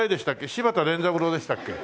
柴田錬三郎でしたっけ？